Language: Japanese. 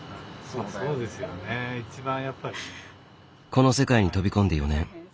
この世界に飛び込んで４年。